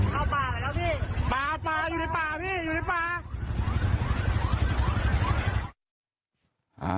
เข้าป่าไปแล้วพี่ป่าป่าอยู่ในป่าพี่อยู่ในป่า